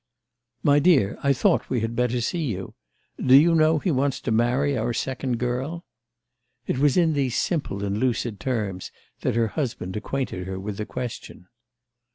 "My dear, I thought we had better see you. Do you know he wants to marry our second girl?" It was in these simple and lucid terms that her husband acquainted her with the question.